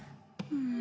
うん？